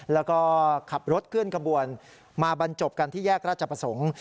แล้วก็ขับรถเคลื่อนขบวนมาบรรจบกันที่แยกราชประสงค์